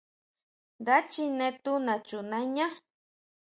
Nda chine tu nachunañá.